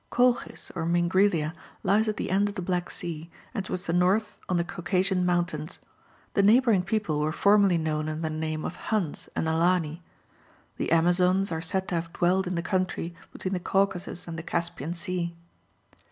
Colchis or Mingrelia lies at the end of the Black Sea, and towards the north on the Caucasian mountains. The neighbouring people were formerly known under the name of Huns and Alani. The Amazons are said to have dwelt in the country between the Caucasus and the Caspian Sea.